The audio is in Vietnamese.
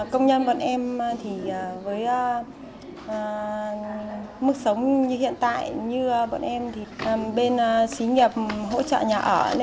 công nhân bọn em thì với mức sống như hiện tại như bọn em thì bên xí nghiệp hỗ trợ nhà ở